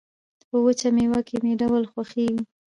په وچه مېوه کې مې ډول خوښيږي